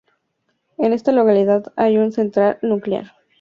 En esta localidad hay una central nuclear.